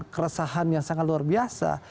keresahan yang sangat luar biasa